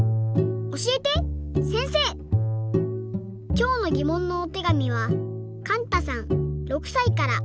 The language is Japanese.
きょうのぎもんのおてがみはかんたさん６さいから。